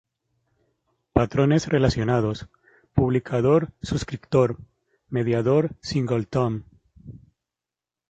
Patrones relacionados: publicador-subscriptor, mediador, "singleton".